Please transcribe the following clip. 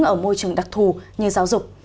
ở môi trường đặc thù như giáo dục